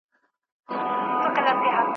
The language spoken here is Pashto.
هيبت پروت دی دې لاسوکي ,